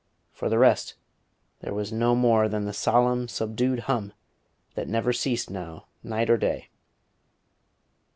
For the rest there was no more than the solemn, subdued hum that never ceased now night or day.